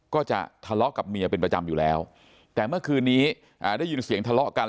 ก็จะทะเลาะกับเมียเป็นประจำอยู่แล้วแต่เมื่อคืนนี้ได้ยินเสียงทะเลาะกัน